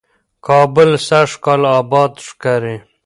کابل سږکال آباد ښکاري،